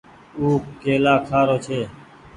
او ڪيلآ ڪآ کآ رو ڇي ۔